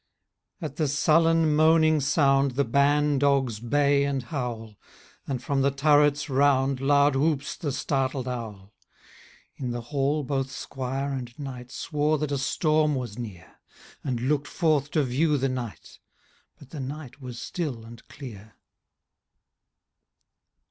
At the sullen, moaning sound. The ban dogs bay and howl ; And, from the turrets round. Loud whoops the startled owL In the hail, both squire and knight Swore that a storm was near. And looked forth to view the night ; But the night was still and clear